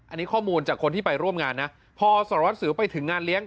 อันนี้ข้อมูลจากคนที่ไปร่วมงานนะพอสารวัสสิวไปถึงงานเลี้ยง